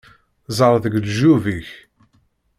Ẓer deg leǧyub-ik!